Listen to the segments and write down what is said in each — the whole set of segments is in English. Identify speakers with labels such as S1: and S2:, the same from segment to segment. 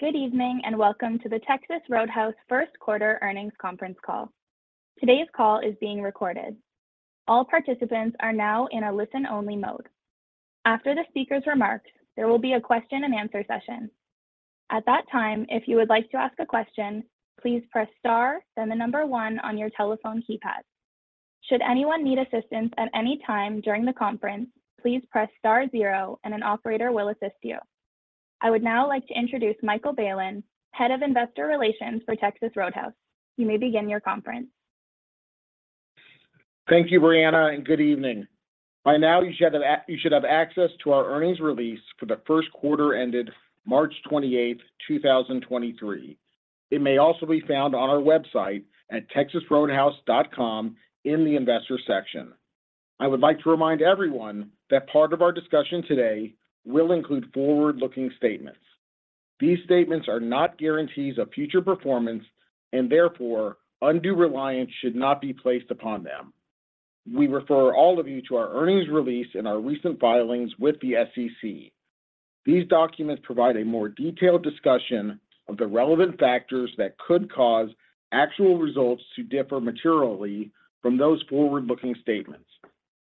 S1: Good evening, and welcome to the Texas Roadhouse first quarter earnings conference call. Today's call is being recorded. All participants are now in a listen only mode. After the speaker's remarks, there will be a question-and-answer session. At that time, if you would like to ask a question, please press star then the number one on your telephone keypad. Should anyone need assistance at any time during the conference, please press star zero and an operator will assist you. I would now like to introduce Michael Bailen, Head of Investor Relations for Texas Roadhouse. You may begin your conference.
S2: Thank you, Brianna, and good evening. By now, you should have access to our earnings release for the first quarter ended March 28, 2023. It may also be found on our website at texasroadhouse.com in the investor section. I would like to remind everyone that part of our discussion today will include forward-looking statements. These statements are not guarantees of future performance, and therefore, undue reliance should not be placed upon them. We refer all of you to our earnings release in our recent filings with the SEC. These documents provide a more detailed discussion of the relevant factors that could cause actual results to differ materially from those forward-looking statements.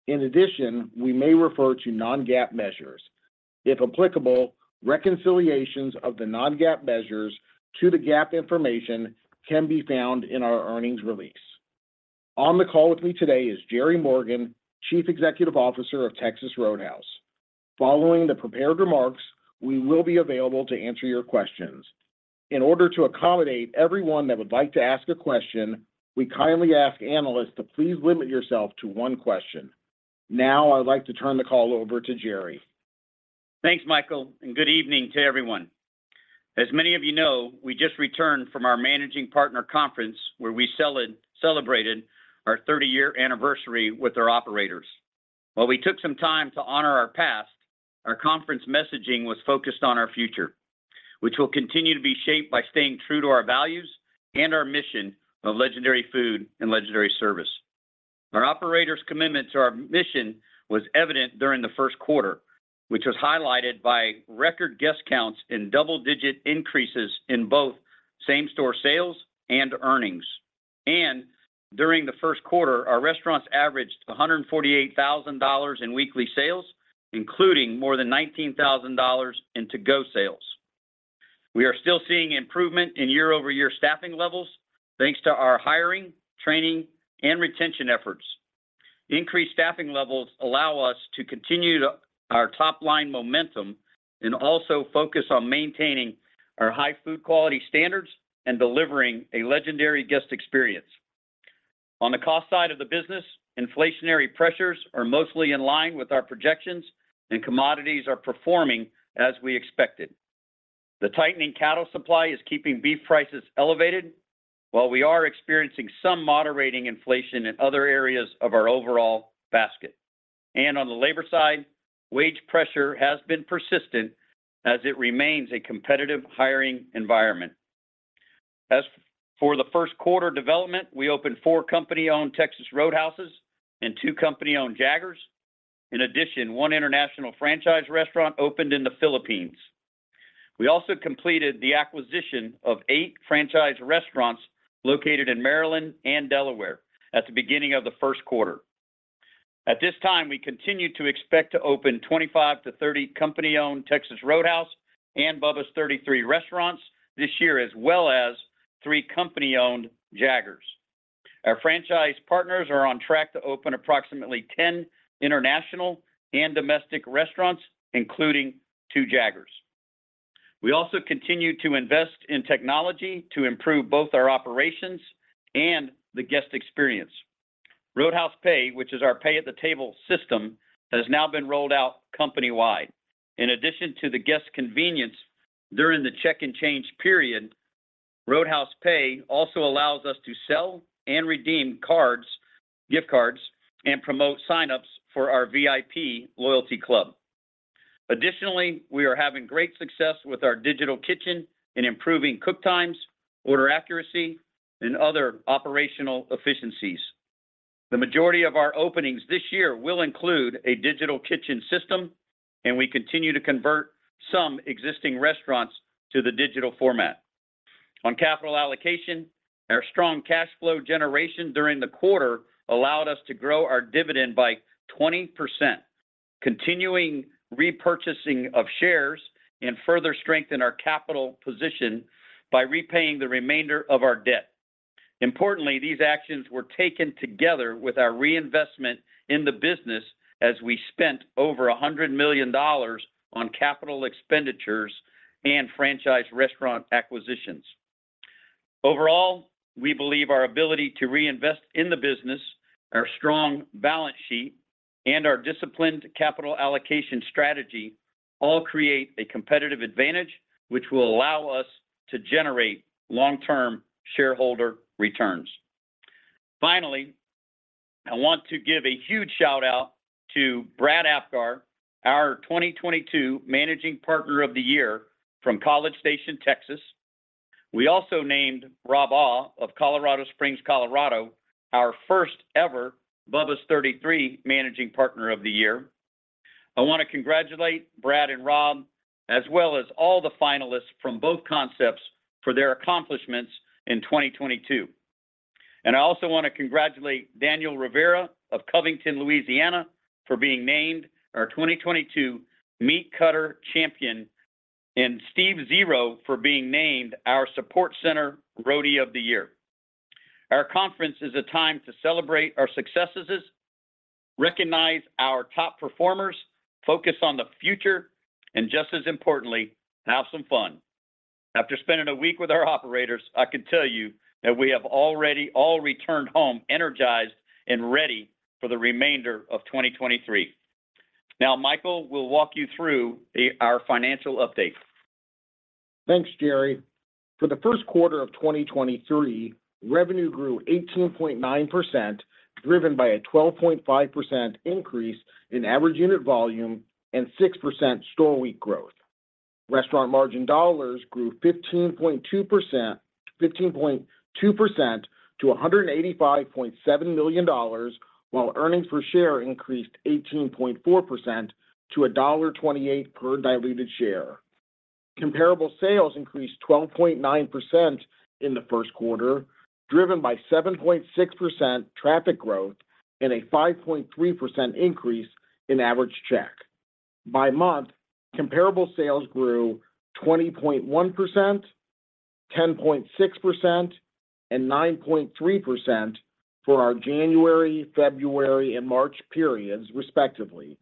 S2: In addition, we may refer to non-GAAP measures. If applicable, reconciliations of the non-GAAP measures to the GAAP information can be found in our earnings release. On the call with me today is Jerry Morgan, Chief Executive Officer of Texas Roadhouse. Following the prepared remarks, we will be available to answer your questions. In order to accommodate everyone that would like to ask a question, we kindly ask analysts to please limit yourself to one question. I would like to turn the call over to Jerry.
S3: Thanks, Michael. Good evening to everyone. As many of you know, we just returned from our managing partner conference where we celebrated our 30-year anniversary with our operators. While we took some time to honor our past, our conference messaging was focused on our future, which will continue to be shaped by staying true to our values and our mission of legendary food and legendary service. Our operators' commitment to our mission was evident during the first quarter, which was highlighted by record guest counts in double-digit increases in both same-store sales and earnings. During the first quarter, our restaurants averaged $148,000 in weekly sales, including more than $19,000 in to-go sales. We are still seeing improvement in year-over-year staffing levels, thanks to our hiring, training, and retention efforts. Increased staffing levels allow us to continue to our top-line momentum and also focus on maintaining our high food quality standards and delivering a legendary guest experience. On the cost side of the business, inflationary pressures are mostly in line with our projections, and commodities are performing as we expected. The tightening cattle supply is keeping beef prices elevated, while we are experiencing some moderating inflation in other areas of our overall basket. On the labor side, wage pressure has been persistent as it remains a competitive hiring environment. As for the first quarter development, we opened four company-owned Texas Roadhouses and two company-owned Jaggers. In addition, one international franchise restaurant opened in the Philippines. We also completed the acquisition of eight franchise restaurants located in Maryland and Delaware at the beginning of the first quarter. At this time, we continue to expect to open 25-30 company-owned Texas Roadhouse and Bubba's 33 restaurants this year, as well as three company-owned Jaggers. Our franchise partners are on track to open approximately 10 international and domestic restaurants, including two Jaggers. We also continue to invest in technology to improve both our operations and the guest experience. Roadhouse Pay, which is our pay at the table system, has now been rolled out company-wide. In addition to the guest convenience during the check and change period, Roadhouse Pay also allows us to sell and redeem cards, gift cards, and promote signups for our VIP loyalty club. Additionally, we are having great success with our digital kitchen in improving cook times, order accuracy, and other operational efficiencies. The majority of our openings this year will include a digital kitchen system. We continue to convert some existing restaurants to the digital format. On capital allocation, our strong cash flow generation during the quarter allowed us to grow our dividend by 20%, continuing repurchasing of shares, and further strengthen our capital position by repaying the remainder of our debt. Importantly, these actions were taken together with our reinvestment in the business as we spent over $100 million on capital expenditures and franchise restaurant acquisitions. Overall, we believe our ability to reinvest in the business, our strong balance sheet, and our disciplined capital allocation strategy all create a competitive advantage which will allow us to generate long-term shareholder returns. Finally, I want to give a huge shout-out to Brad Apgar, our 2022 Managing Partner of the Year from College Station, Texas. We also named Rob Auw of Colorado Springs, Colorado, our first ever Bubba's 33 Managing Partner of the Year. I wanna congratulate Brad and Rob, as well as all the finalists from both concepts for their accomplishments in 2022. I also wanna congratulate Daniel Rivera of Covington, Louisiana, for being named our 2022 Meat Cutter Champion, and Steve Zero for being named our Support Center Roadie of the Year. Our conference is a time to celebrate our successes, recognize our top performers, focus on the future, and just as importantly, have some fun. After spending a week with our operators, I can tell you that we have already all returned home energized and ready for the remainder of 2023. Michael will walk you through our financial update.
S2: Thanks, Jerry. For the first quarter of 2023, revenue grew 18.9%, driven by a 12.5% increase in average unit volume and 6% store week growth. Restaurant margin dollars grew 15.2% to $185.7 million, while earnings per share increased 18.4% to $1.28 per diluted share. Comparable sales increased 12.9% in the first quarter, driven by 7.6% traffic growth and a 5.3% increase in average check. By month, comparable sales grew 20.1%, 10.6%, and 9.3% for our January, February, and March periods, respectively.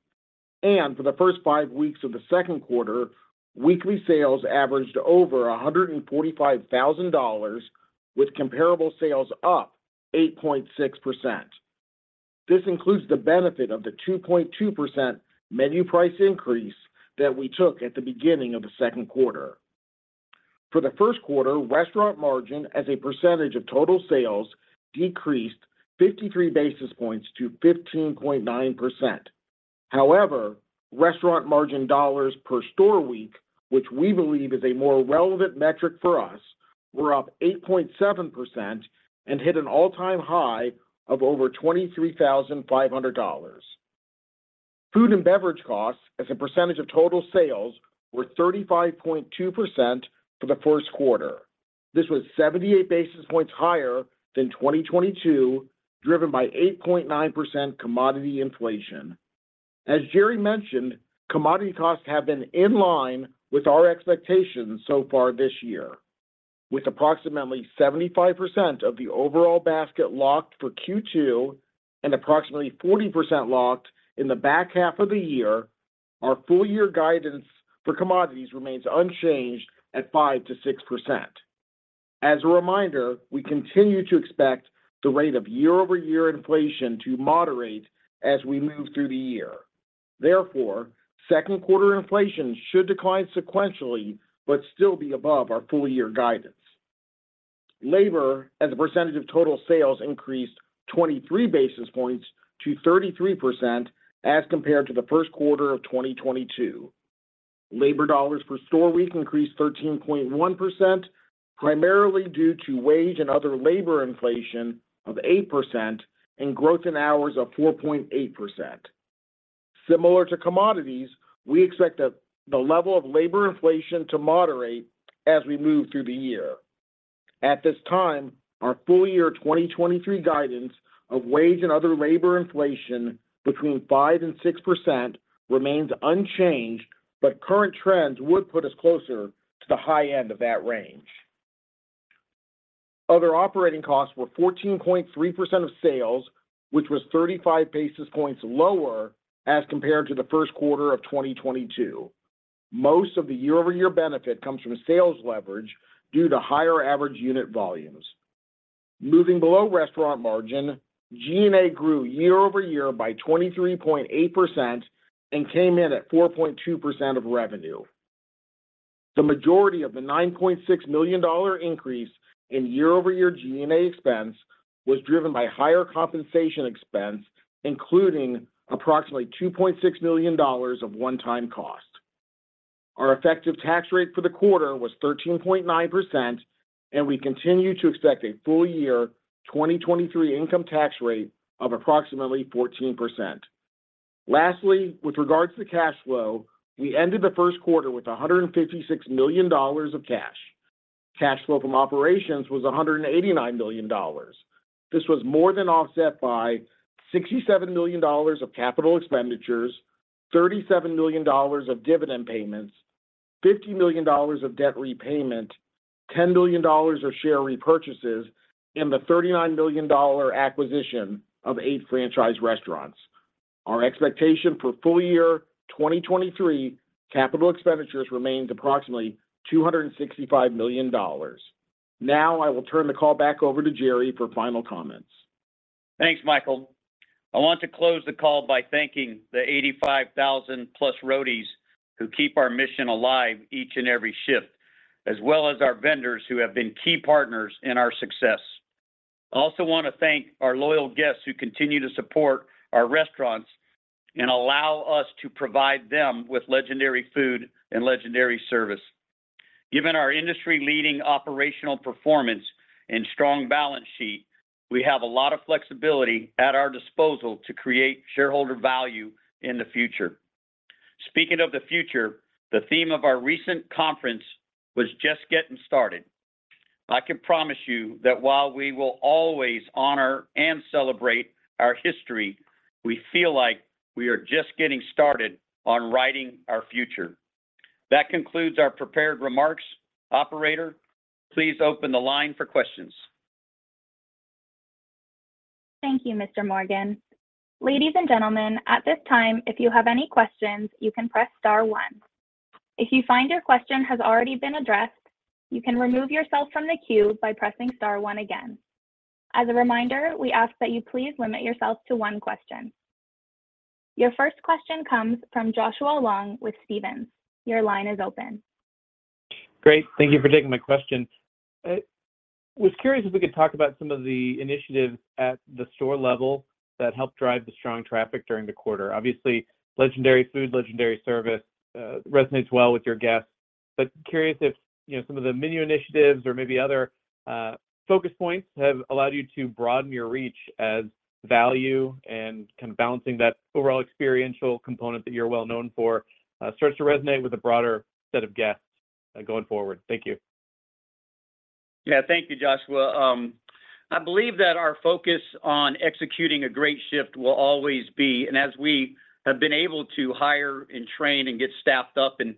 S2: For the first five weeks of the second quarter, weekly sales averaged over $145,000 with comparable sales up 8.6%. This includes the benefit of the 2.2% menu price increase that we took at the beginning of the second quarter. For the first quarter, restaurant margin as a percentage of total sales decreased 53 basis points to 15.9%. However, restaurant margin dollars per store week, which we believe is a more relevant metric for us, were up 8.7% and hit an all-time high of over $23,500. Food and beverage costs as a percentage of total sales were 35.2% for the first quarter. This was 78 basis points higher than 2022, driven by 8.9% commodity inflation. As Jerry mentioned, commodity costs have been in line with our expectations so far this year. With approximately 75% of the overall basket locked for Q2 and approximately 40% locked in the back half of the year, our full-year guidance for commodities remains unchanged at 5%-6%. As a reminder, we continue to expect the rate of year-over-year inflation to moderate as we move through the year. Therefore, second quarter inflation should decline sequentially but still be above our full-year guidance. Labor as a percentage of total sales increased 23 basis points to 33% as compared to the first quarter of 2022. Labor dollars per store week increased 13.1%, primarily due to wage and other labor inflation of 8% and growth in hours of 4.8%. Similar to commodities, we expect the level of labor inflation to moderate as we move through the year. At this time, our full-year 2023 guidance of wage and other labor inflation between 5% and 6% remains unchanged, but current trends would put us closer to the high end of that range. Other operating costs were 14.3% of sales, which was 35 basis points lower as compared to the first quarter of 2022. Most of the year-over-year benefit comes from a sales leverage due to higher average unit volumes. Moving below restaurant margin, G&A grew year-over-year by 23.8% and came in at 4.2% of revenue. The majority of the $9.6 million increase in year-over-year G&A expense was driven by higher compensation expense, including approximately $2.6 million of one-time cost. Our effective tax rate for the quarter was 13.9%. We continue to expect a full-year 2023 income tax rate of approximately 14%. Lastly, with regards to cash flow, we ended the first quarter with $156 million of cash. Cash flow from operations was $189 million. This was more than offset by $67 million of capital expenditures, $37 million of dividend payments, $50 million of debt repayment, $10 million of share repurchases, and the $39 million acquisition of eight franchise restaurants. Our expectation for full-year 2023 capital expenditures remains approximately $265 million. Now I will turn the call back over to Jerry for final comments.
S3: Thanks, Michael. I want to close the call by thanking the 85,000 plus roadies who keep our mission alive each and every shift, as well as our vendors who have been key partners in our success. I also want to thank our loyal guests who continue to support our restaurants and allow us to provide them with legendary food and legendary service. Given our industry-leading operational performance and strong balance sheet, we have a lot of flexibility at our disposal to create shareholder value in the future. Speaking of the future, the theme of our recent conference was just getting started. I can promise you that while we will always honor and celebrate our history, we feel like we are just getting started on writing our future. That concludes our prepared remarks. Operator, please open the line for questions.
S1: Thank you, Mr. Morgan. Ladies and gentlemen, at this time, if you have any questions, you can press star one. If you find your question has already been addressed, you can remove yourself from the queue by pressing star one again. As a reminder, we ask that you please limit yourself to one question. Your first question comes from Joshua Long with Stephens. Your line is open.
S4: Great. Thank you for taking my question. I was curious if we could talk about some of the initiatives at the store level that help drive the strong traffic during the quarter. Obviously, legendary food, legendary service, resonates well with your guests. Curious if, you know, some of the menu initiatives or maybe other focus points have allowed you to broaden your reach as value and kind of balancing that overall experiential component that you're well known for, starts to resonate with a broader set of guests going forward. Thank you.
S3: Thank you, Joshua. I believe that our focus on executing a great shift will always be, and as we have been able to hire and train and get staffed up and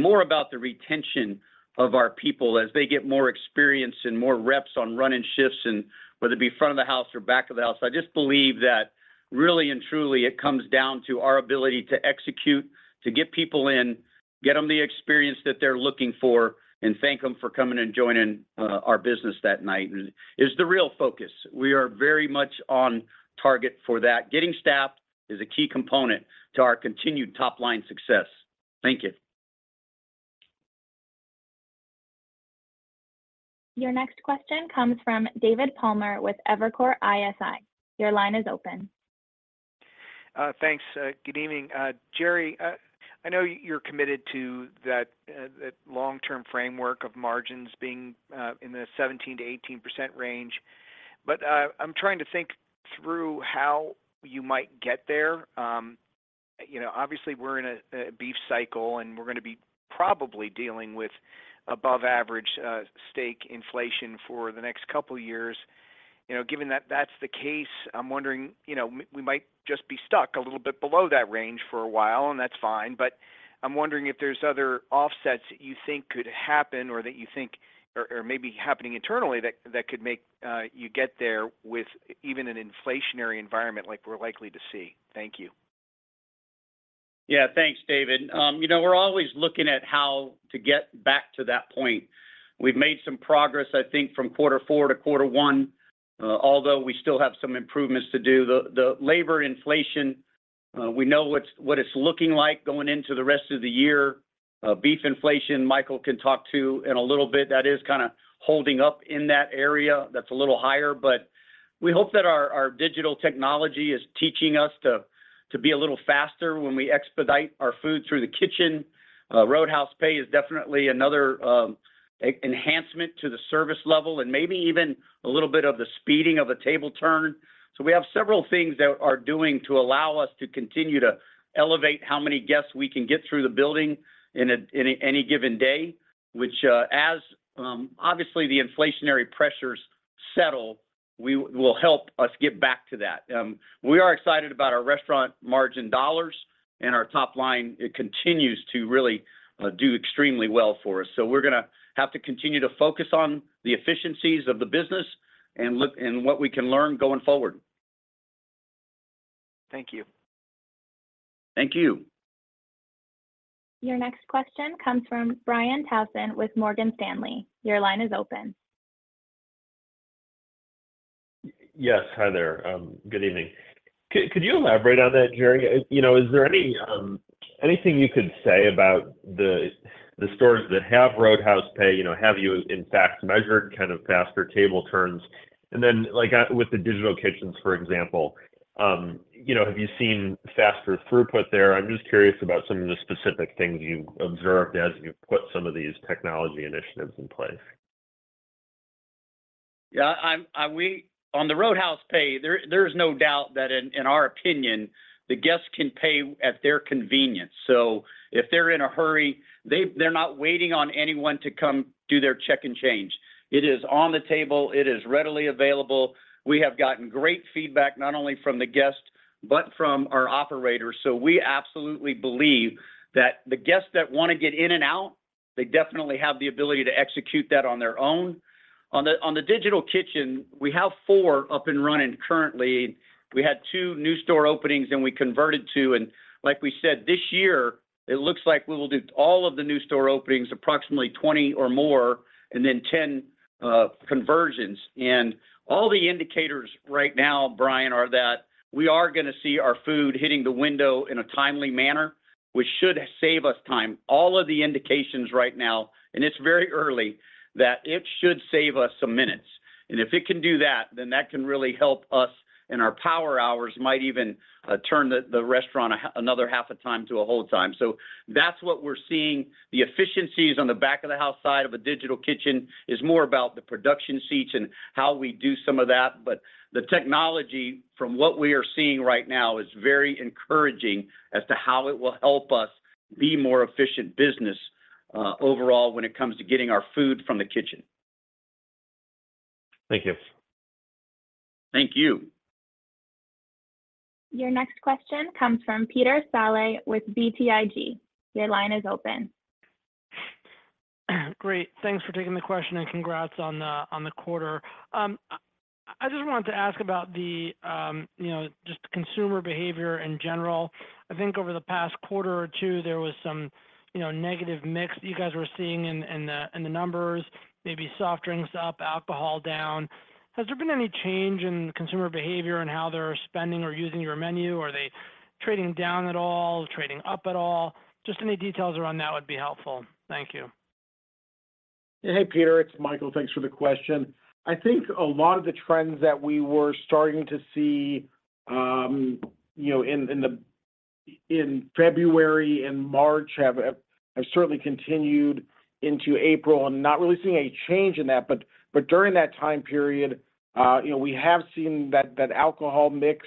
S3: more about the retention of our people as they get more experience and more reps on running shifts and whether it be front of the house or back of the house. I just believe that really and truly it comes down to our ability to execute, to get people in, get them the experience that they're looking for, and thank them for coming and joining our business that night is the real focus. We are very much on target for that. Getting staffed is a key component to our continued top-line success. Thank you.
S1: Your next question comes from David Palmer with Evercore ISI. Your line is open.
S5: Thanks. Good evening. Jerry, I know you're committed to that long-term framework of margins being in the 17%-18% range, but I'm trying to think through how you might get there. You know, obviously we're in a beef cycle, and we're going to be probably dealing with above average steak inflation for the next couple of years. You know, given that that's the case, I'm wondering, you know, we might just be stuck a little bit below that range for a while, and that's fine. I'm wondering if there's other offsets that you think could happen or that you think or maybe happening internally that could make you get there with even an inflationary environment like we're likely to see. Thank you.
S3: Thanks, David. You know, we're always looking at how to get back to that point. We've made some progress, I think, from quarter four to quarter one, although we still have some improvements to do. The labor inflation, we know what it's looking like going into the rest of the year. Beef inflation, Michael can talk to in a little bit. That is kind of holding up in that area. That's a little higher, but we hope that our digital technology is teaching us to be a little faster when we expedite our food through the kitchen. Roadhouse Pay is definitely another enhancement to the service level and maybe even a little bit of the speeding of the table turn. We have several things that are doing to allow us to continue to elevate how many guests we can get through the building in any given day, which, as, obviously the inflationary pressures settle, we will help us get back to that. We are excited about our restaurant margin dollars and our top line. It continues to really do extremely well for us. We're gonna have to continue to focus on the efficiencies of the business and look in what we can learn going forward.
S5: Thank you.
S3: Thank you.
S1: Your next question comes from Brian Townsend with Morgan Stanley. Your line is open.
S6: Yes. Hi there. Good evening. Could you elaborate on that, Jerry? You know, is there anything you could say about the stores that have Roadhouse Pay, you know, have you in fact measured kind of faster table turns? Like, with the digital kitchens, for example, you know, have you seen faster throughput there? I'm just curious about some of the specific things you observed as you put some of these technology initiatives in place.
S3: On the Roadhouse Pay, there is no doubt that in our opinion, the guests can pay at their convenience. If they're in a hurry, they're not waiting on anyone to come do their check and change. It is on the table. It is readily available. We have gotten great feedback not only from the guest, but from our operators. We absolutely believe that the guests that want to get in and out, they definitely have the ability to execute that on their own. On the digital kitchen, we have four up and running currently. We had two new store openings and we converted two. Like we said, this year, it looks like we will do all of the new store openings, approximately 20 or more, and then 10 conversions. All the indicators right now, Brian, are that we are going to see our food hitting the window in a timely manner. Which should save us time. All of the indications right now, it's very early, that it should save us some minutes. If it can do that can really help us in our power hours. Might even turn the restaurant another half a time to a whole time. That's what we're seeing. The efficiencies on the back of the house side of a digital kitchen is more about the production seats and how we do some of that. The technology from what we are seeing right now is very encouraging as to how it will help us be more efficient business overall when it comes to getting our food from the kitchen.
S6: Thank you.
S3: Thank you.
S1: Your next question comes from Peter Saleh with BTIG. Your line is open.
S7: Great. Thanks for taking the question. Congrats on the, on the quarter. I just wanted to ask about the, you know, just consumer behavior in general. I think over the past quarter or two, there was some, you know, negative mix that you guys were seeing in the, in the numbers, maybe soft drinks up, alcohol down. Has there been any change in consumer behavior and how they're spending or using your menu? Are they trading down at all? Trading up at all? Just any details around that would be helpful. Thank you.
S2: Hey, Peter. It's Michael. Thanks for the question. I think a lot of the trends that we were starting to see, you know, in February and March have certainly continued into April. I'm not really seeing any change in that. During that time period, you know, we have seen that alcohol mix,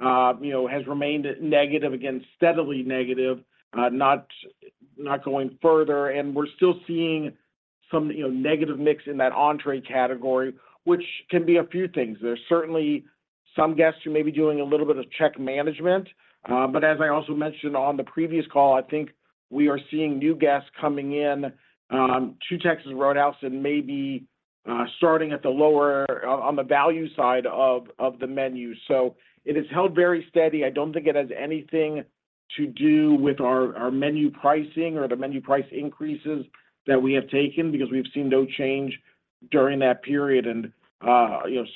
S2: you know, has remained negative, again, steadily negative, not going further. We're still seeing some, you know, negative mix in that entree category, which can be a few things. There's certainly some guests who may be doing a little bit of check management. As I also mentioned on the previous call, I think we are seeing new guests coming in to Texas Roadhouse and maybe starting at the lower on the value side of the menu. It has held very steady. I don't think it has anything to do with our menu pricing or the menu price increases that we have taken because we've seen no change during that period.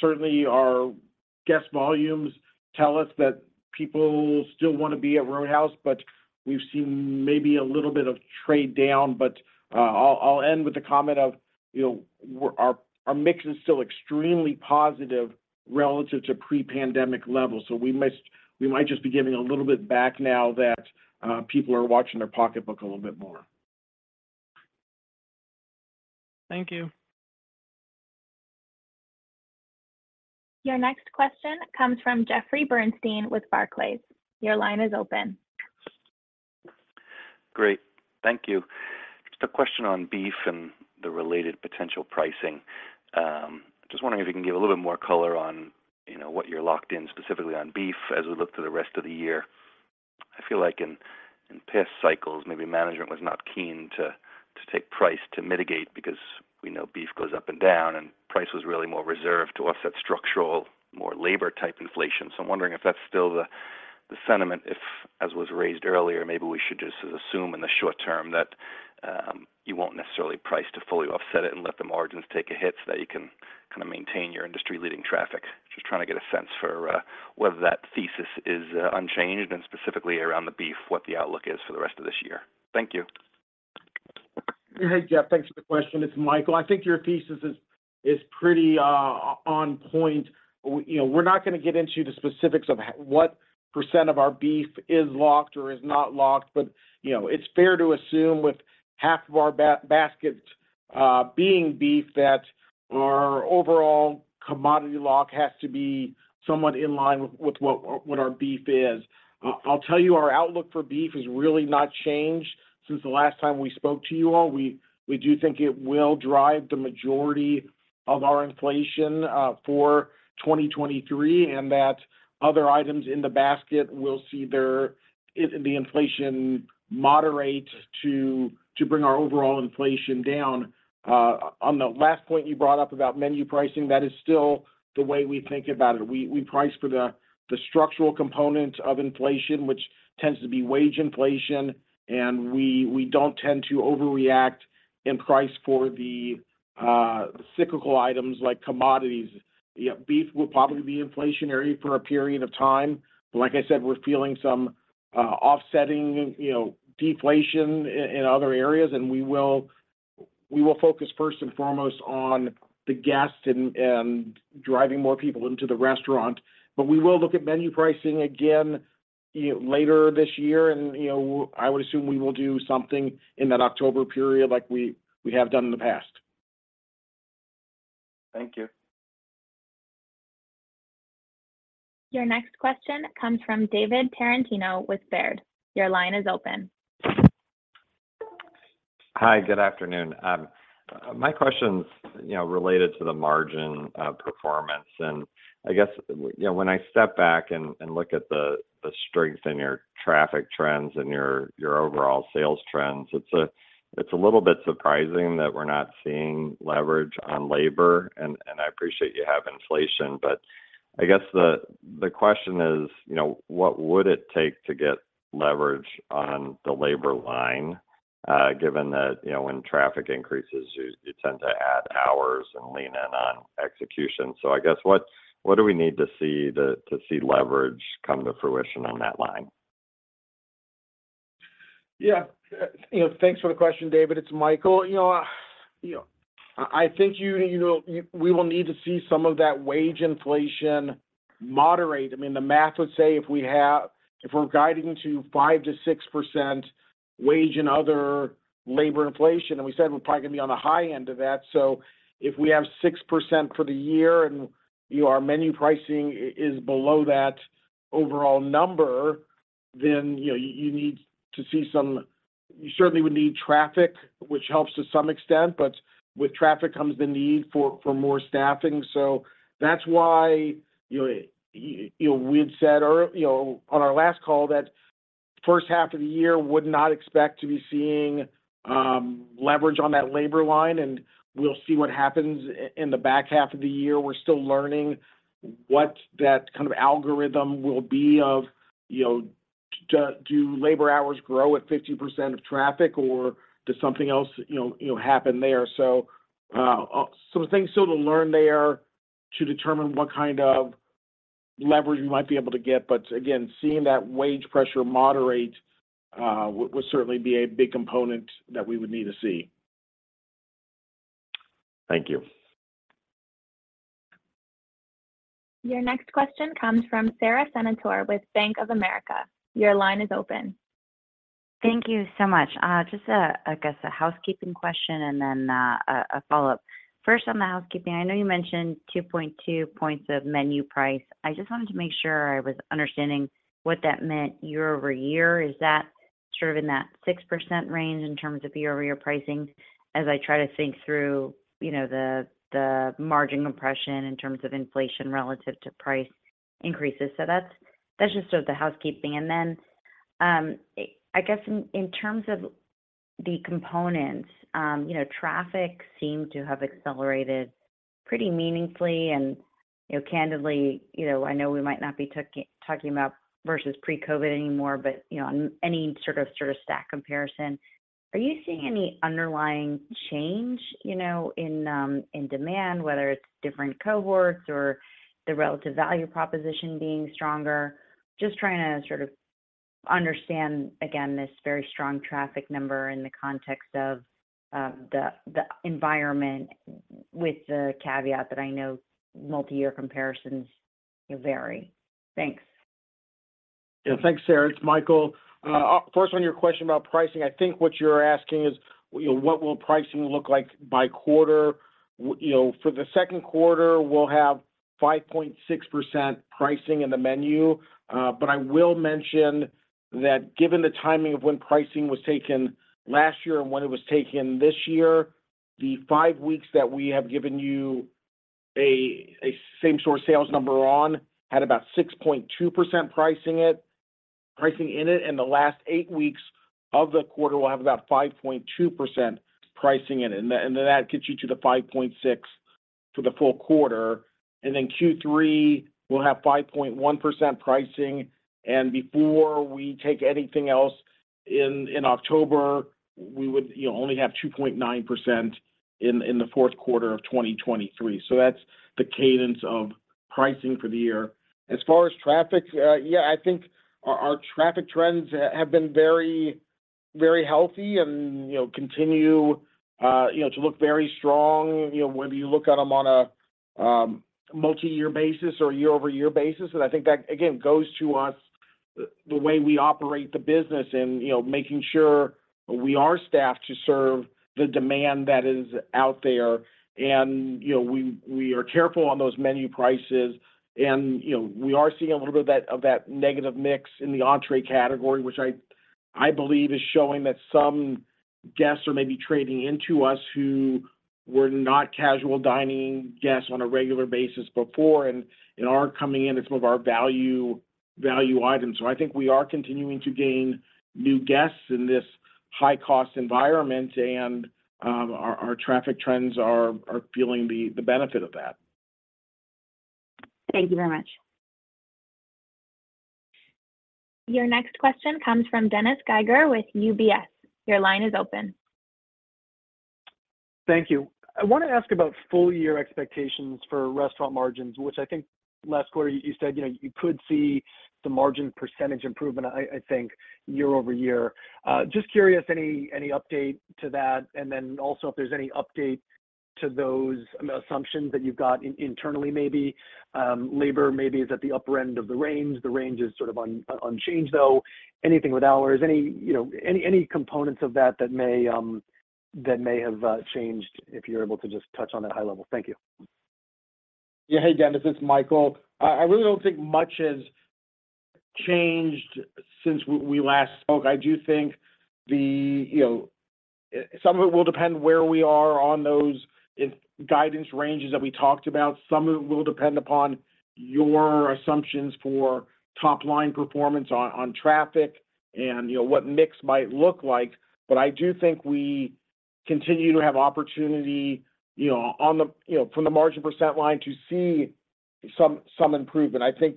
S2: Certainly, you know, our guest volumes tell us that people still wanna be at Roadhouse, but we've seen maybe a little bit of trade down. I'll end with the comment of, you know, our mix is still extremely positive relative to pre-pandemic levels, so we might just be giving a little bit back now that people are watching their pocketbook a little bit more.
S7: Thank you.
S1: Your next question comes from Jeffrey Bernstein with Barclays. Your line is open.
S8: Great. Thank you. Just a question on beef and the related potential pricing. Just wondering if you can give a little bit more color on, you know, what you're locked in specifically on beef as we look to the rest of the year. I feel like in past cycles, maybe management was not keen to take price to mitigate because we know beef goes up and down, and price was really more reserved to offset structural, more labor type inflation. I'm wondering if that's still the sentiment if, as was raised earlier, maybe we should just assume in the short term that you won't necessarily price to fully offset it and let the margins take a hit so that you can kind of maintain your industry leading traffic. Just trying to get a sense for whether that thesis is unchanged and specifically around the beef, what the outlook is for the rest of this year. Thank you.
S2: Hey, Jeff. Thanks for the question. It's Michael. I think your thesis is pretty on point. We, you know, we're not gonna get into the specifics of what percent of our beef is locked or is not locked. You know, it's fair to assume with half of our basket being beef, that our overall commodity lock has to be somewhat in line with what our beef is. I'll tell you, our outlook for beef has really not changed since the last time we spoke to you all. We do think it will drive the majority of our inflation for 2023, and that other items in the basket will see their the inflation moderate to bring our overall inflation down. On the last point you brought up about menu pricing, that is still the way we think about it. We price for the structural component of inflation, which tends to be wage inflation, and we don't tend to overreact and price for the cyclical items like commodities. Yeah, beef will probably be inflationary for a period of time. Like I said, we're feeling some offsetting, you know, deflation in other areas, and we will focus first and foremost on the guest and driving more people into the restaurant. We will look at menu pricing again, you know, later this year. You know, I would assume we will do something in that October period like we have done in the past.
S8: Thank you.
S1: Your next question comes from David Tarantino with Baird. Your line is open.
S9: Hi. Good afternoon. My question's, you know, related to the margin, performance. I guess, you know, when I step back and look at the strength in your traffic trends and your overall sales trends, it's a little bit surprising that we're not seeing leverage on labor. I appreciate you have inflation, but I guess the question is, you know, what would it take to get leverage on the labor line? Given that, you know, when traffic increases, you tend to add hours and lean in on execution. I guess what do we need to see to see leverage come to fruition on that line?
S2: Yeah. you know, thanks for the question, David. It's Michael. You know, you know, I think you know, we will need to see some of that wage inflation moderate. I mean, the math would say if we're guiding to 5%-6% wage and other labor inflation, and we said we're probably gonna be on the high end of that. If we have 6% for the year and, you know, our menu pricing is below that overall number, then, you know, you need to see some. You certainly would need traffic, which helps to some extent, but with traffic comes the need for more staffing. That's why, you know, we had said, you know, on our last call that first half of the year would not expect to be seeing leverage on that labor line, and we'll see what happens in the back half of the year. We're still learning what that kind of algorithm will be of, you know, do labor hours grow at 50% of traffic or does something else, you know, happen there? Some things still to learn there to determine what kind of leverage we might be able to get. Again, seeing that wage pressure moderate, would certainly be a big component that we would need to see.
S9: Thank you.
S1: Your next question comes from Sara Senatore with Bank of America. Your line is open.
S10: Thank you so much. Just a, I guess, a housekeeping question and then, a follow-up. First on the housekeeping, I know you mentioned 2.2 points of menu price. I just wanted to make sure I was understanding what that meant year-over-year. Is that sort of in that 6% range in terms of year-over-year pricing? As I try to think through, you know, the margin compression in terms of inflation relative to price increases. That's, that's just sort of the housekeeping. Then, I guess in terms of the components, you know, traffic seemed to have accelerated pretty meaningfully. you know, candidly, you know, I know we might not be talking about versus pre-COVID anymore, but, you know, on any sort of store stack comparison, are you seeing any underlying change, you know, in demand, whether it's different cohorts or the relative value proposition being stronger? Just trying to sort of understand again this very strong traffic number in the context of the environment with the caveat that I know multi-year comparisons vary. Thanks.
S2: Thanks, Sara. It's Michael Bailen. First on your question about pricing, I think what you're asking is, you know, what will pricing look like by quarter? You know, for the second quarter, we'll have 5.6% pricing in the menu. I will mention that given the timing of when pricing was taken last year and when it was taken this year, the 5 weeks that we have given you a same-store sales number on had about 6.2% pricing in it, and the last 8 weeks of the quarter will have about 5.2% pricing in it. Then that gets you to the 5.6% for the full quarter. Q3 will have 5.1% pricing. Before we take anything else in October, we would, you know, only have 2.9% in the fourth quarter of 2023. That's the cadence of pricing for the year. As far as traffic, yeah, I think our traffic trends have been very healthy and, you know, continue, you know, to look very strong, you know, whether you look at them on a multi-year basis or year-over-year basis. I think that, again, goes to us the way we operate the business and, you know, making sure we are staffed to serve the demand that is out there. You know, we are careful on those menu prices and, you know, we are seeing a little bit of that negative mix in the entree category, which I believe is showing that some guests are maybe trading into us who were not casual dining guests on a regular basis before and are coming in and some of our value items. I think we are continuing to gain new guests in this high-cost environment and our traffic trends are feeling the benefit of that.
S10: Thank you very much.
S1: Your next question comes from Dennis Geiger with UBS. Your line is open.
S11: Thank you. I want to ask about full-year expectations for restaurant margins, which I think last quarter you said, you know, you could see some margin percentage improvement, I think year-over-year. Just curious, any update to that? Then also if there's any update to those assumptions that you've got internally maybe, labor maybe is at the upper end of the range. The range is sort of unchanged, though. Anything with hours, any, you know, any components of that that may have changed, if you're able to just touch on that high level. Thank you.
S2: Hey, Dennis, it's Michael. I really don't think much has changed since we last spoke. I do think, you know, some of it will depend where we are on those guidance ranges that we talked about. Some of it will depend upon your assumptions for top line performance on traffic and, you know, what mix might look like. I do think we continue to have opportunity, you know, on the, you know, from the margin percent line to see some improvement. I think.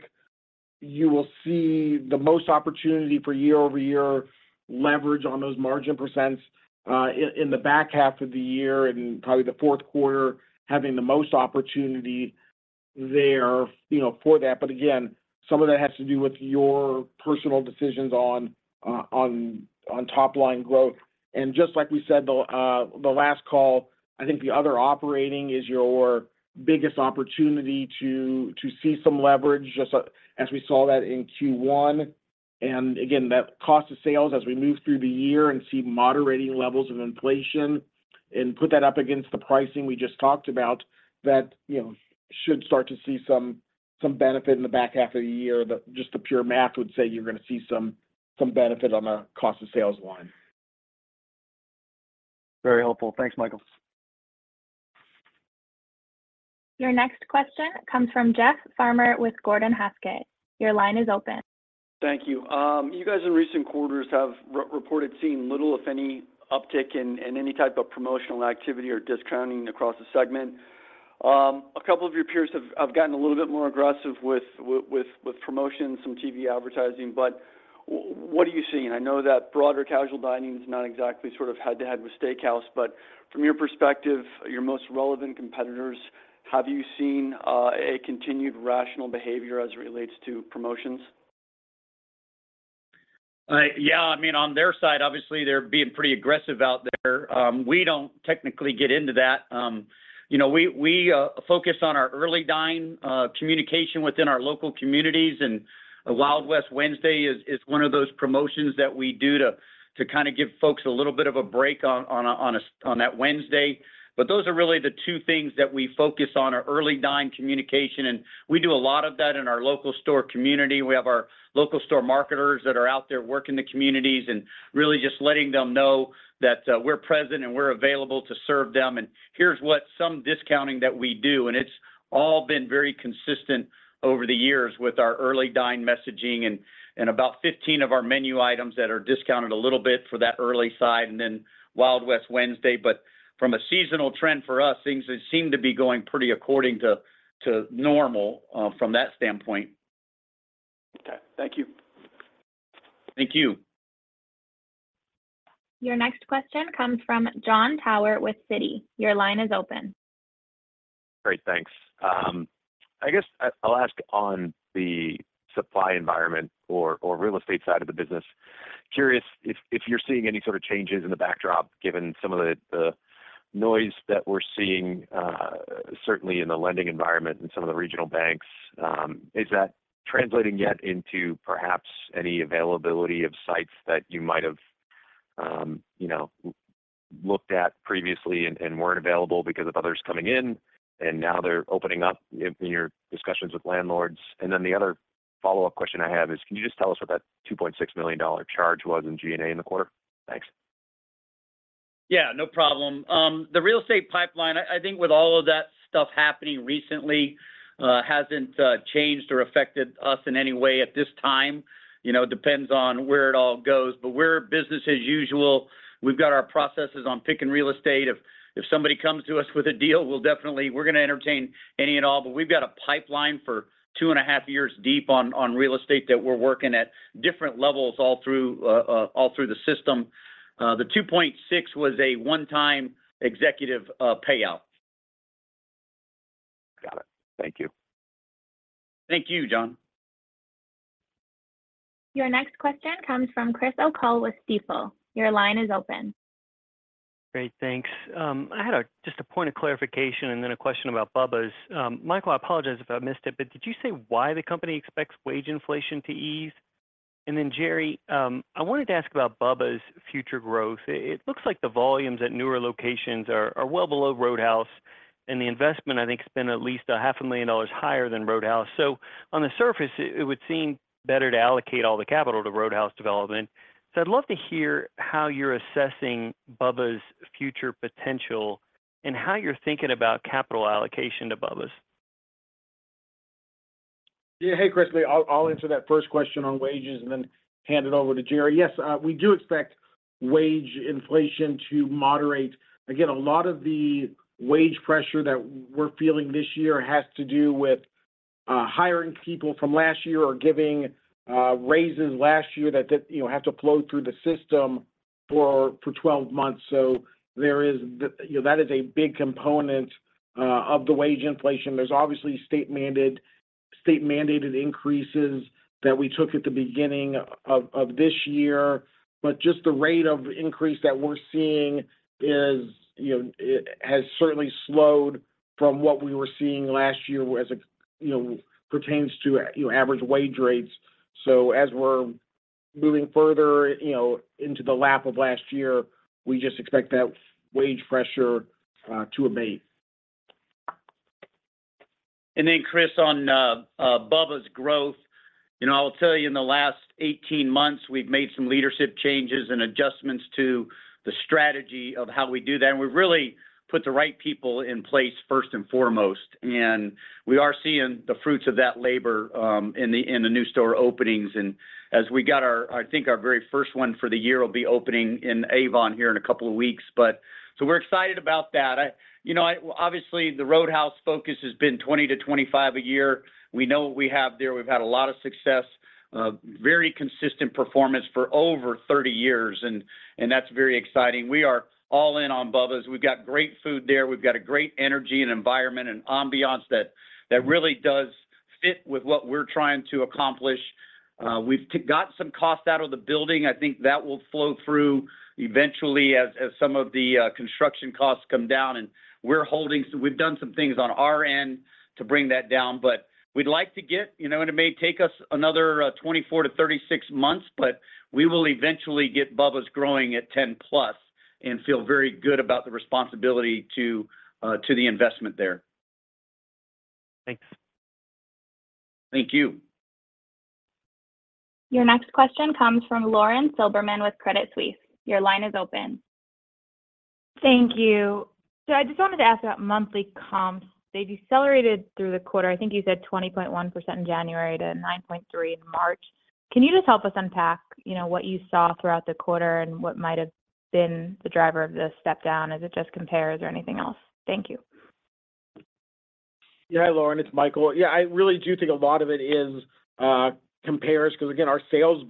S2: You will see the most opportunity for year-over-year leverage on those margin percents in the back half of the year and probably the fourth quarter having the most opportunity there, you know, for that. Again, some of that has to do with your personal decisions on top line growth. Just like we said the last call, I think the other operating is your biggest opportunity to see some leverage as we saw that in Q1. Again, that cost of sales as we move through the year and see moderating levels of inflation and put that up against the pricing we just talked about that, you know, should start to see some benefit in the back half of the year. Just the pure math would say you're gonna see some benefit on the cost of sales line.
S11: Very helpful. Thanks Michael Bailen.
S1: Your next question comes from Jeff Farmer with Gordon Haskett. Your line is open.
S12: Thank you. You guys in recent quarters have reported seeing little, if any, uptick in any type of promotional activity or discounting across the segment. A couple of your peers have gotten a little bit more aggressive with promotions, some TV advertising. What are you seeing? I know that broader casual dining is not exactly sort of head-to-head with steakhouse. From your perspective, your most relevant competitors, have you seen a continued rational behavior as it relates to promotions?
S3: Yeah. I mean, on their side, obviously, they're being pretty aggressive out there. We don't technically get into that. You know, we focus on our Early Dine communication within our local communities, and a Wild West Wednesday is one of those promotions that we do to kinda give folks a little bit of a break on that Wednesday. Those are really the two things that we focus on, our Early Dine communication, and we do a lot of that in our local store community. We have our local store marketers that are out there working the communities and really just letting them know that, we're present and we're available to serve them, and here's what some discounting that we do, and it's all been very consistent over the years with our Early Dine messaging and about 15 of our menu items that are discounted a little bit for that early side, and then Wild West Wednesday. From a seasonal trend for us, things, they seem to be going pretty according to normal from that standpoint.
S12: Okay. Thank you.
S3: Thank you.
S1: Your next question comes from Jon Tower with Citi. Your line is open.
S13: Great. Thanks. I'll ask on the supply environment or real estate side of the business, curious if you're seeing any sort of changes in the backdrop given some of the noise that we're seeing, certainly in the lending environment in some of the regional banks. Is that translating yet into perhaps any availability of sites that you might have, you know, looked at previously and weren't available because of others coming in, and now they're opening up in your discussions with landlords? The other follow-up question I have is, can you just tell us what that $2.6 million charge was in G&A in the quarter? Thanks.
S3: Yeah. No problem. The real estate pipeline, I think with all of that stuff happening recently, hasn't changed or affected us in any way at this time. You know, depends on where it all goes. We're business as usual. We've got our processes on picking real estate. If somebody comes to us with a deal, we'll definitely we're gonna entertain any and all. We've got a pipeline for 2.5 years deep on real estate that we're working at different levels all through all through the system. The $2.6 was a one-time executive payout.
S13: Got it. Thank you.
S3: Thank you, Jon.
S1: Your next question comes from Chris O'Cull with Stifel. Your line is open.
S14: Great. Thanks. I had a, just a point of clarification and then a question about Bubba's. Michael, I apologize if I missed it, but did you say why the company expects wage inflation to ease? Jerry, I wanted to ask about Bubba's future growth. It looks like the volumes at newer locations are well below Roadhouse, and the investment I think has been at least a half a million dollars higher than Roadhouse. On the surface it would seem better to allocate all the capital to Roadhouse development. I'd love to hear how you're assessing Bubba's future potential and how you're thinking about capital allocation to Bubba's.
S2: Yeah. Hey, Chris. I'll answer that first question on wages and then hand it over to Jerry. Yes, we do expect wage inflation to moderate. Again, a lot of the wage pressure that we're feeling this year has to do with hiring people from last year or giving raises last year that did, you know, have to flow through the system for 12 months. There is the, you know, that is a big component of the wage inflation. There's obviously state mandated increases that we took at the beginning of this year. Just the rate of increase that we're seeing is, you know, it has certainly slowed from what we were seeing last year as it, you know, pertains to, you know, average wage rates. As we're moving further, you know, into the lap of last year, we just expect that wage pressure to abate.
S3: Chris, on Bubba's growth, you know, I'll tell you in the last 18 months, we've made some leadership changes and adjustments The strategy of how we do that, and we've really put the right people in place first and foremost. As we got our, I think, our very first one for the year will be opening in Avon here in a couple of weeks. We're excited about that. You know, obviously, the Roadhouse focus has been 20-25 a year. We know what we have there. We've had a lot of success, very consistent performance for over 30 years, and that's very exciting. We are all in on Bubba's. We've got great food there. We've got a great energy and environment and ambiance that really does fit with what we're trying to accomplish. We've got some cost out of the building. I think that will flow through eventually as some of the construction costs come down. We've done some things on our end to bring that down, but we'd like to get, you know, and it may take us another 24-36 months, but we will eventually get Bubba's growing at 10 plus and feel very good about the responsibility to the investment there.
S14: Thanks.
S3: Thank you.
S1: Your next question comes from Lauren Silberman with Credit Suisse. Your line is open.
S15: Thank you. I just wanted to ask about monthly comps. They decelerated through the quarter. I think you said 20.1% in January to 9.3% in March. Can you just help us unpack, you know, what you saw throughout the quarter and what might have been the driver of the step down? Is it just compares or anything else? Thank you.
S2: Lauren, it's Michael. I really do think a lot of it is compares because, again, our sales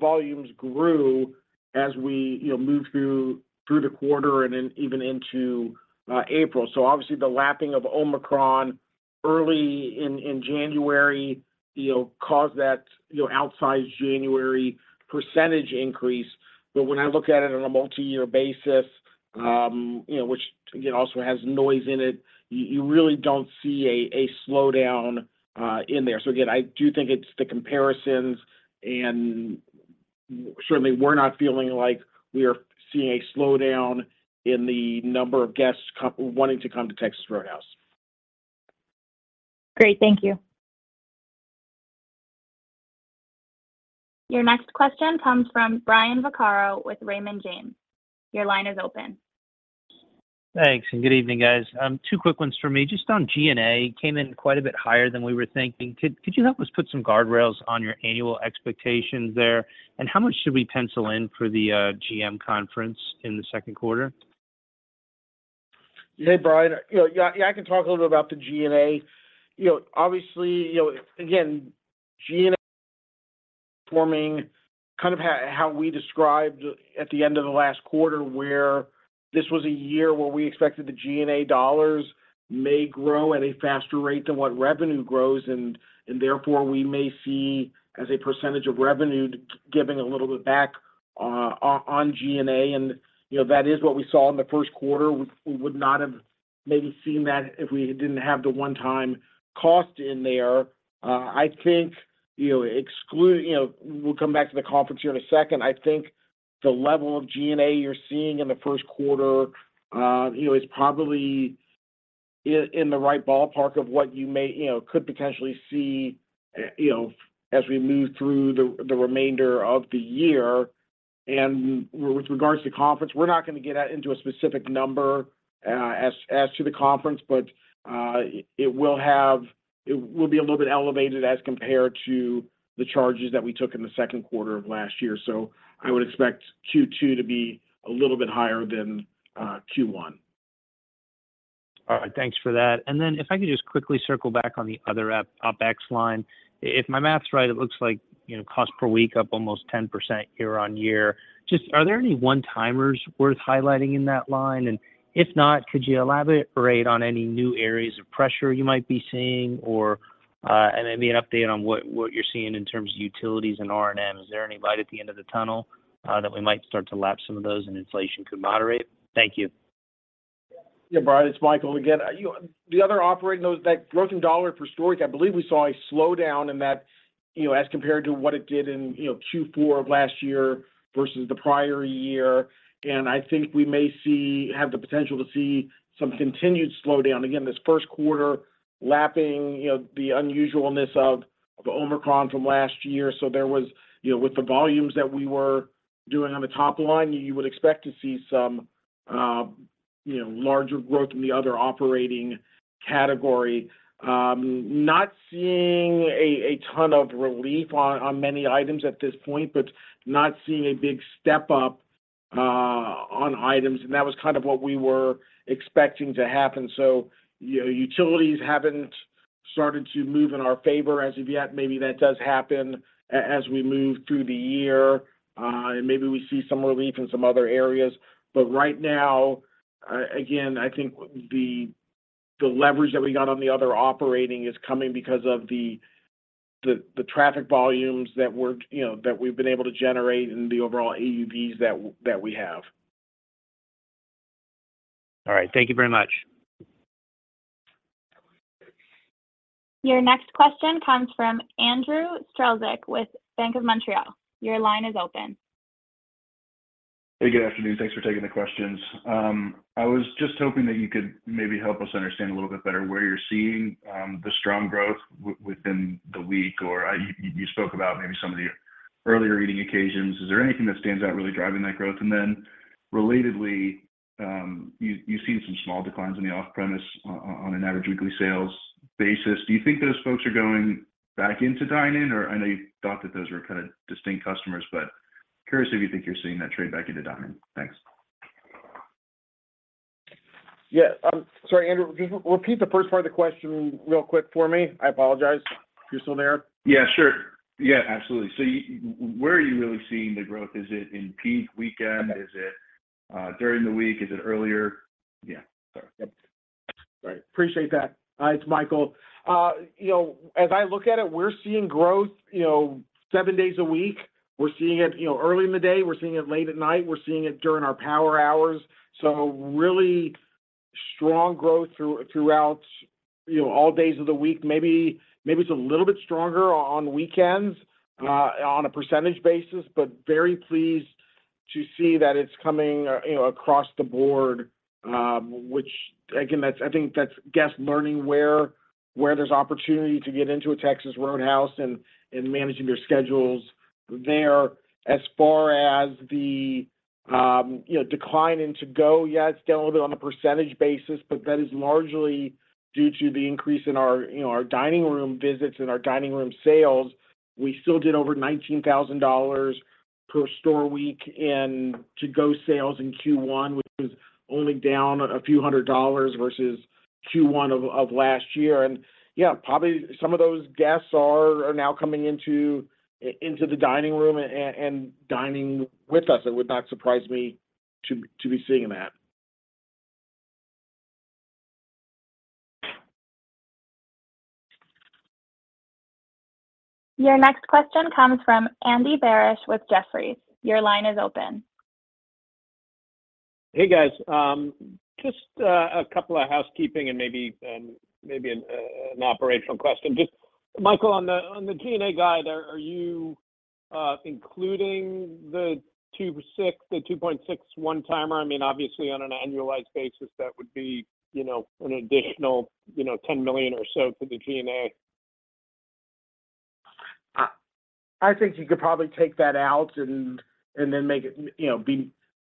S2: volumes grew as we, you know, moved through the quarter and then even into April. Obviously, the lapping of Omicron early in January, you know, caused that, you know, outsized January percentage increase. When I look at it on a multi-year basis, you know, which, again, also has noise in it, you really don't see a slowdown in there. Again, I do think it's the comparisons, and certainly, we're not feeling like we are seeing a slowdown in the number of guests wanting to come to Texas Roadhouse.
S15: Great. Thank you.
S1: Your next question comes from Brian Vaccaro with Raymond James. Your line is open.
S16: Thanks. Good evening, guys. Two quick ones for me. Just on G&A, came in quite a bit higher than we were thinking. Could you help us put some guardrails on your annual expectations there? How much should we pencil in for the GM conference in the second quarter?
S2: Hey, Brian. You know, yeah, I can talk a little bit about the G&A. You know, obviously, you know, again, G&A performing kind of how we described at the end of the last quarter where this was a year where we expected the G&A dollars may grow at a faster rate than what revenue grows, and therefore, we may see as a percentage of revenue giving a little bit back on G&A. You know, that is what we saw in the first quarter. We would not have maybe seen that if we didn't have the one-time cost in there. I think, you know, we'll come back to the conference here in a second. I think the level of G&A you're seeing in the first quarter, you know, is probably in the right ballpark of what you may, you know, could potentially see, you know, as we move through the remainder of the year. With regards to conference, we're not going to get into a specific number as to the conference, but it will be a little bit elevated as compared to the charges that we took in the second quarter of last year. I would expect Q2 to be a little bit higher than Q1.
S16: All right. Thanks for that. Then if I could just quickly circle back on the other OpEx line. If my math's right, it looks like, you know, cost per week up almost 10% year-over-year. Just are there any one-timers worth highlighting in that line? If not, could you elaborate on any new areas of pressure you might be seeing or, and maybe an update on what you're seeing in terms of utilities and R&M? Is there any light at the end of the tunnel that we might start to lap some of those and inflation could moderate? Thank you.
S2: Yeah, Brian, it's Michael again. You know, the other That growth in dollar per stores, I believe we saw a slowdown in that, you know, as compared to what it did in, you know, Q4 of last year versus the prior year. I think we may have the potential to see some continued slowdown. Again, this first quarter lapping, you know, the unusualness of Omicron from last year. There was, you know, with the volumes that we were doing on the top line, you would expect to see some, you know, larger growth in the other operating category. Not seeing a ton of relief on many items at this point, but not seeing a big step up on items. That was kind of what we were expecting to happen. You know, utilities haven't started to move in our favor as of yet. Maybe that does happen as we move through the year, and maybe we see some relief in some other areas. Right now, again, I think the leverage that we got on the other operating is coming because of the traffic volumes that we're, you know, that we've been able to generate and the overall AUVs that we have.
S16: All right. Thank you very much.
S1: Your next question comes from Andrew Strelzik with Bank of Montreal. Your line is open.
S17: Hey, good afternoon. Thanks for taking the questions. I was just hoping that you could maybe help us understand a little bit better where you're seeing the strong growth within the week, or you spoke about maybe some of the. Earlier eating occasions, is there anything that stands out really driving that growth? Then relatedly, you've seen some small declines in the off-premise on an average weekly sales basis. Do you think those folks are going back into dine-in or... I know you thought that those were kind of distinct customers, but curious if you think you're seeing that trade back into dine-in? Thanks.
S2: Yeah. Sorry, Andrew, just repeat the first part of the question real quick for me. I apologize. You still there?
S17: Yeah, sure. Yeah, absolutely. Where are you really seeing the growth? Is it in peak weekend? Is it during the week? Is it earlier? Yeah. Sorry.
S2: Yep. All right. Appreciate that. Hi, it's Michael. you know, as I look at it, we're seeing growth, you know, seven days a week. We're seeing it, you know, early in the day. We're seeing it late at night. We're seeing it during our power hours. Really strong growth throughout, you know, all days of the week. Maybe, maybe it's a little bit stronger on weekends, on a percentage basis, but very pleased to see that it's coming, you know, across the board, which again, I think that's guest learning where there's opportunity to get into a Texas Roadhouse and managing their schedules there. As far as the, you know, decline in to-go, yeah, it's down a little bit on a percentage basis, but that is largely due to the increase in our, you know, our dining room visits and our dining room sales. We still did over $19,000 per store week in to-go sales in Q1, which was only down a few hundred dollars versus Q1 of last year. Yeah, probably some of those guests are now coming into the dining room and dining with us. It would not surprise me to be seeing that.
S1: Your next question comes from Andy Barish with Jefferies. Your line is open.
S18: Hey, guys. just a couple of housekeeping and maybe an operational question. Just Michael, on the, on the G&A guide, are you including the 2.6 one-timer? I mean, obviously on an annualized basis, that would be, you know, an additional, you know, $10 million or so for the G&A.
S2: I think you could probably take that out and then make it, you know,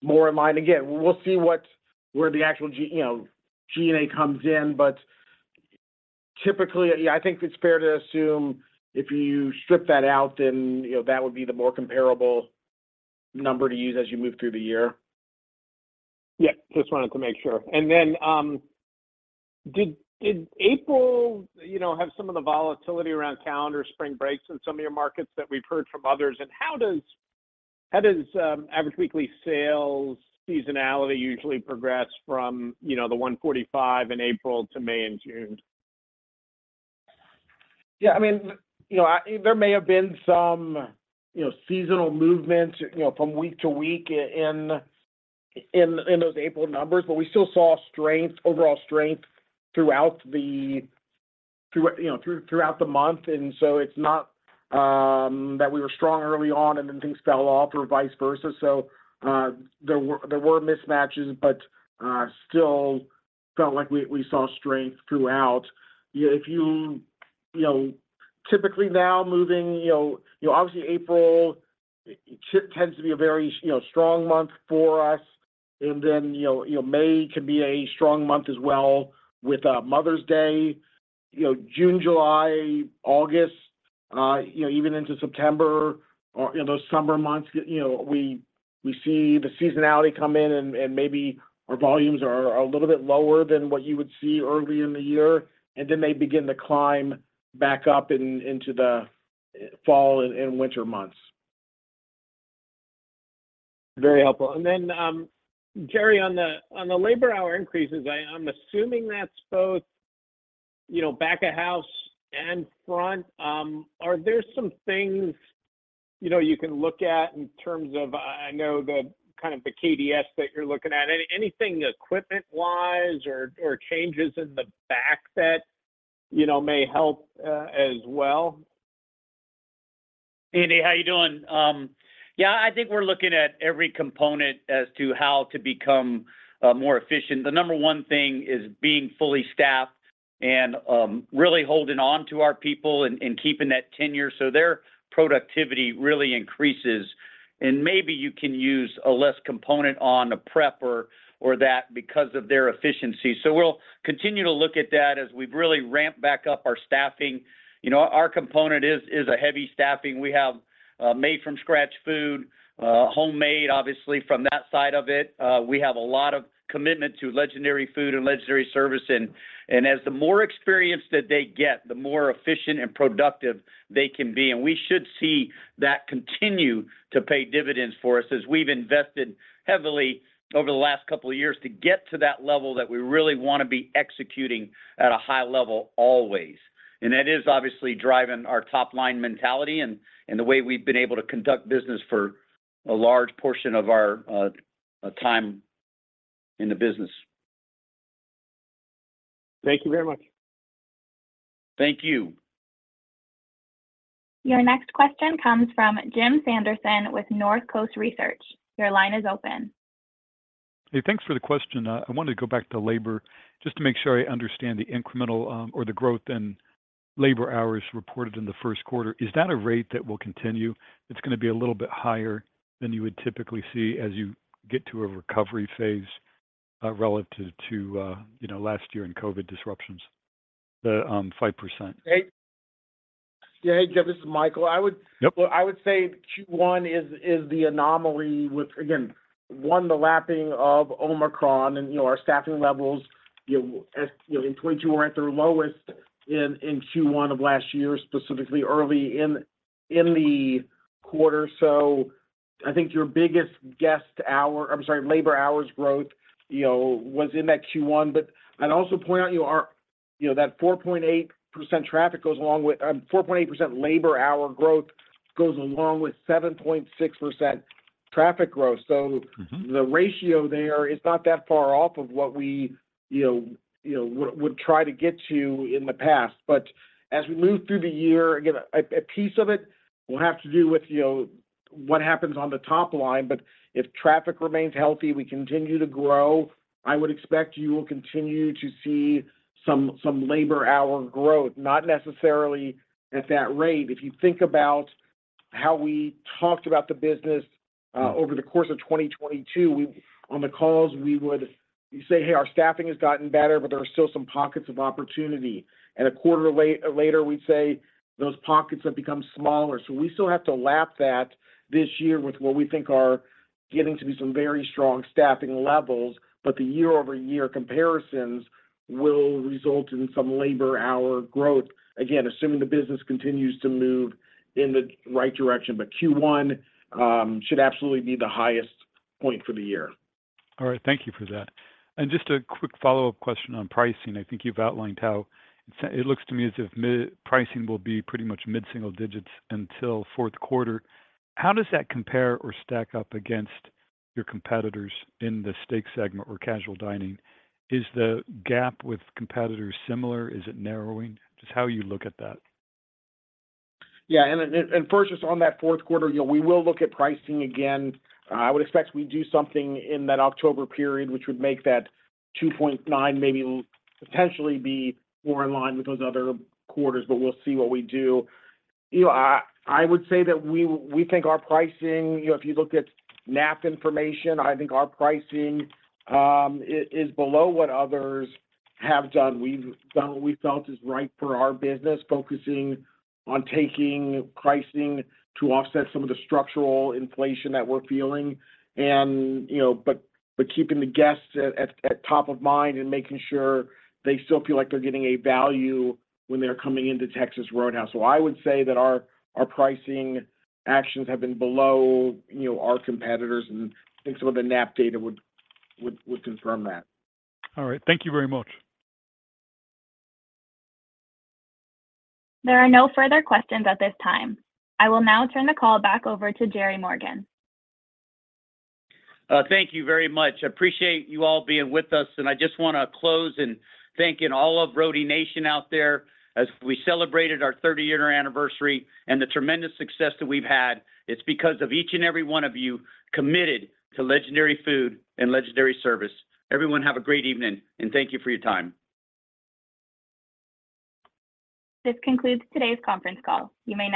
S2: be more in line. We'll see where the actual you know, G&A comes in. Typically, yeah, I think it's fair to assume if you strip that out, then, you know, that would be the more comparable number to use as you move through the year.
S18: Yeah. Just wanted to make sure. Did April, you know, have some of the volatility around calendar spring breaks in some of your markets that we've heard from others? How does average weekly sales seasonality usually progress from, you know, the $145 in April to May and June?
S2: Yeah, I mean, you know, there may have been some, you know, seasonal movements, you know, from week to week in those April numbers, but we still saw strength, overall strength throughout the month. It's not that we were strong early on and then things fell off or vice versa. There were mismatches, but still felt like we saw strength throughout. If you know, typically now moving, you know, obviously April tends to be a very, you know, strong month for us. You know, May can be a strong month as well with Mother's Day. You know, June, July, August, you know, even into September or, you know, those summer months, you know, we see the seasonality come in and maybe our volumes are a little bit lower than what you would see earlier in the year. They begin to climb back up into the fall and winter months.
S18: Very helpful. Then, Jerry, on the labor hour increases, I'm assuming that's both, you know, back of house and front. Are there some things, you know, you can look at in terms of, I know the kind of the KDS that you're looking at. Anything equipment-wise or changes in the back that, you know, may help as well?
S3: Andy, how you doing? Yeah, I think we're looking at every component as to how to become more efficient. The 1 thing is being fully staffed and really holding on to our people and keeping that tenure so their productivity really increases. Maybe you can use a less component on a prep or that because of their efficiency. We'll continue to look at that as we really ramp back up our staffing. You know, our component is a heavy staffing. We have made from scratch food, homemade obviously from that side of it. We have a lot of commitment to legendary food and legendary service and as the more experience that they get, the more efficient and productive they can be. We should see that continue to pay dividends for us as we've invested heavily over the last couple of years to get to that level that we really want to be executing at a high level always. That is obviously driving our top-line mentality and the way we've been able to conduct business for a large portion of our time in the business.
S18: Thank you very much.
S3: Thank you.
S1: Your next question comes from Jim Sanderson with Northcoast Research. Your line is open
S19: Hey, thanks for the question. I wanted to go back to labor just to make sure I understand the incremental, or the growth in labor hours reported in the first quarter. Is that a rate that will continue? It's gonna be a little bit higher than you would typically see as you get to a recovery phase, relative to, you know, last year in COVID disruptions, the 5%.
S2: Hey. Yeah. Hey, Jeff. This is Michael.
S19: Yep.
S2: Well, I would say Q1 is the anomaly with, again, one, the lapping of Omicron and, you know, our staffing levels, you know, as, you know, in 2021 were at their lowest in Q1 of last year, specifically early in the quarter. I think your biggest labor hours growth, you know, was in that Q1. I'd also point out, you know, our, you know, that 4.8% traffic goes along with 4.8% labor hour growth goes along with 7.6% traffic growth.
S19: Mm-hmm
S2: The ratio there is not that far off of what we, you know, would try to get to in the past. As we move through the year, again, a piece of it will have to do with, you know, what happens on the top line. If traffic remains healthy, we continue to grow, I would expect you will continue to see some labor hour growth, not necessarily at that rate. If you think about how we talked about the business over the course of 2022, on the calls, we would say, "Hey, our staffing has gotten better, but there are still some pockets of opportunity." A quarter later, we'd say, "Those pockets have become smaller." We still have to lap that this year with what we think are getting to be some very strong staffing levels, but the year-over-year comparisons will result in some labor hour growth. Again, assuming the business continues to move in the right direction. Q1 should absolutely be the highest point for the year.
S19: All right. Thank you for that. Just a quick follow-up question on pricing. I think you've outlined how it looks to me as if pricing will be pretty much mid-single digits until fourth quarter. How does that compare or stack up against your competitors in the steak segment or casual dining? Is the gap with competitors similar? Is it narrowing? Just how you look at that.
S2: Yeah. First, just on that fourth quarter, you know, we will look at pricing again. I would expect we do something in that October period which would make that 2.9% maybe potentially be more in line with those other quarters. We'll see what we do. You know, I would say that we think our pricing, you know, if you looked at Knapp-Track information, I think our pricing is below what others have done. We've done what we felt is right for our business, focusing on taking pricing to offset some of the structural inflation that we're feeling. You know, keeping the guests at top of mind and making sure they still feel like they're getting a value when they're coming into Texas Roadhouse. I would say that our pricing actions have been below, you know, our competitors, and I think some of the Knapp data would confirm that.
S19: All right. Thank you very much.
S1: There are no further questions at this time. I will now turn the call back over to Jerry Morgan.
S3: Thank you very much. I appreciate you all being with us. I just wanna close in thanking all of Roadie Nation out there as we celebrated our 30-year anniversary and the tremendous success that we've had. It's because of each and every one of you committed to legendary food and legendary service. Everyone, have a great evening, and thank you for your time.
S1: This concludes today's conference call. You may now